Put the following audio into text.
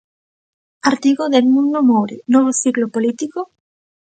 Artigo de Edmundo Moure: Novo ciclo político?